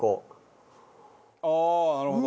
ああーなるほど！